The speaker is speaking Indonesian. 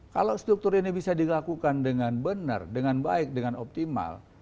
kalau struktur ini bisa dilakukan dengan benar dengan baik dengan optimal